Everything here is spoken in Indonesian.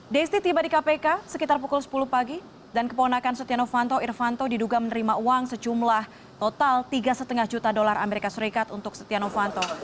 deisti tiba di kpk sekitar pukul sepuluh pagi dan keponakan sotiano vanto irvanto diduga menerima uang secumlah total tiga lima juta dolar as untuk sotiano vanto